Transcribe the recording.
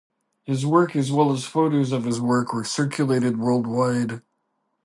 His work as well as photos of his work were circulated world wide.